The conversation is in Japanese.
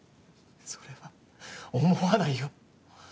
それは思わないよ！